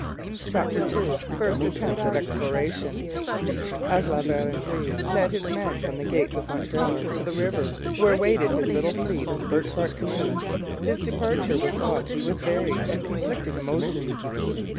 CHAPTER II FIRST ATTEMPT AT EXPLORATION As La Vérendrye led his men from the gates of Montreal to the river where waited his little fleet of birch bark canoes, his departure was watched with varied and conflicting emotions.